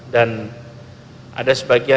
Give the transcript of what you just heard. dan ada sebagian